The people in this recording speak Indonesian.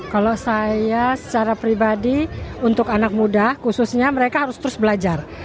kalau saya secara pribadi untuk anak muda khususnya mereka harus terus belajar